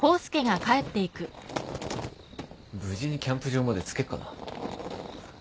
無事にキャンプ場まで着けっかな。